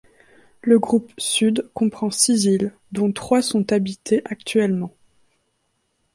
Le groupe Sud comprend six îles, dont trois sont habitées actuellement.